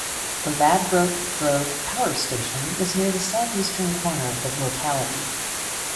The Ladbroke Grove Power Station is near the southeastern corner of the locality.